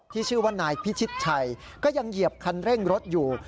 ชื่อว่านายพิชิตชัยก็ยังเหยียบคันเร่งรถอยู่